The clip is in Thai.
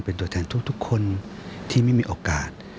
เป็นตัวแทนทุกคนที่ไม่มีโอกาส